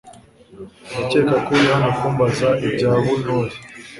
Ndakeka ko uri hano kumbaza ibya Bunori .